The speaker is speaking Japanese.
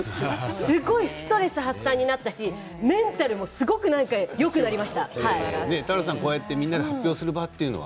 すごいストレス発散になったしメンタルも、すごくなんかこういう場というのは？